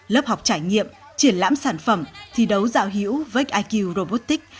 lớp học trải nghiệm triển lãm sản phẩm thi đấu dạo hữu với iq robotics